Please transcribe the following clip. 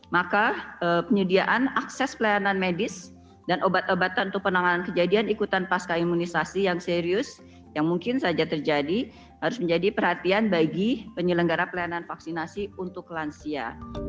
maka penyediaan akses pelayanan medis dan obat obatan untuk penanganan kejadian ikutan pasca imunisasi yang serius yang mungkin saja terjadi harus menjadi perhatian bagi penyelenggara pelayanan vaksinasi untuk lansia